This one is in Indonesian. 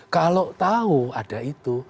kalau tahu ada itu